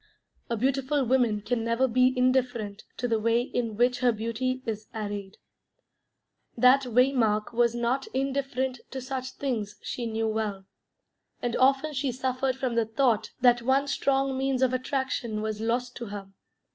A beautiful woman can never be indifferent to the way in which her beauty is arrayed. That Waymark was not indifferent to such things she knew well, and often she suffered from the thought that one strong means of attraction was lost to her.